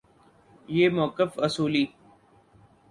یہ موقف اصولی